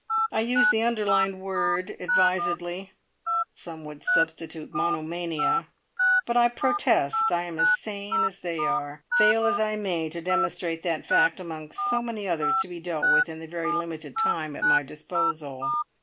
I used the underlined word advisedly; some would substitute 'monomania,' but I protest I am as sane as they are, fail as I may to demonstrate that fact among so many others to be dealt with in the very limited time at my disposal.